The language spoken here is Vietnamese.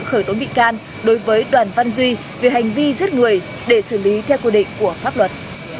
khởi tố bị can đối với đoàn văn duy về hành vi giết người để xử lý theo quy định của pháp luật